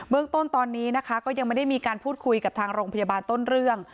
เรื่องต้นตอนนี้นะคะก็ยังไม่ได้มีการพูดคุยกับทางโรงพยาบาลต้นเรื่อง